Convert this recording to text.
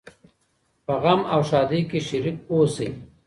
په غم او ښادۍ کي شريک اوسئ.